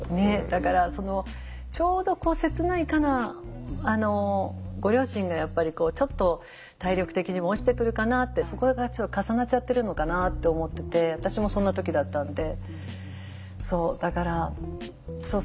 だからそのちょうどこう切ないかなご両親がやっぱりこうちょっと体力的にも落ちてくるかなってそこがちょっと重なっちゃってるのかなって思ってて私もそんな時だったんで。